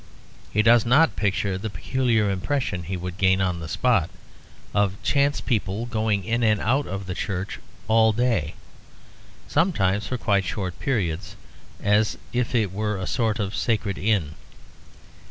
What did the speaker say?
He does not picture the peculiar impression he would gain on the spot; of chance people going in and out of the church all day, sometimes for quite short periods, as if it were a sort of sacred inn.